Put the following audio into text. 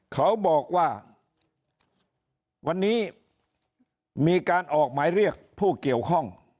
เขาบอกว่าวันนี้มีการออกหมายเรียกผู้เกี่ยวข้อง